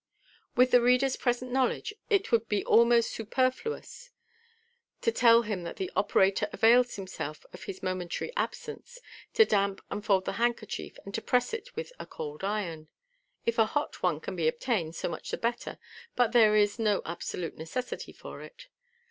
With the reader's present knowledge, it would be almost super fluous to tell him that the operator avails himself of his momentary absence to damp and fold the handkerchief, and to press it with a cold iron. (If a hot one can be obtained, so much the better, but there is no absolute necessity for it.)